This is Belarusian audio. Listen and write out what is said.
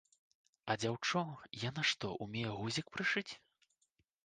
А дзяўчо, яна што, умее гузік прышыць?